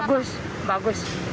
oh bagus bagus